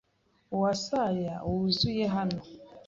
Umusaya wuzuye hano